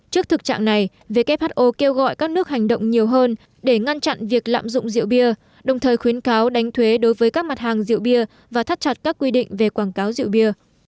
trước thực trạng này who kêu gọi các nước hành động nhiều hơn để ngăn chặn việc lạm dụng rượu bia đồng thời khuyến cáo đánh thuế đối với các mặt hàng rượu bia và thắt chặt các quy định về quảng cáo rượu bia